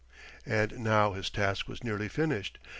And now his task was nearly finished.